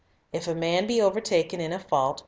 "If a man be overtaken in a fault